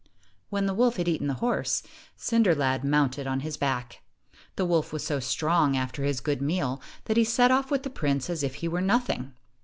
When the wolf had eaten the horse, Cinder lad mounted on his back. The wolf was so strong after his good meal that he set off with the prince as if he were nothing.